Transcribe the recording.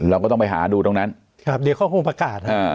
เราก็ต้องไปหาดูตรงนั้นครับเดี๋ยวเขาคงประกาศอ่า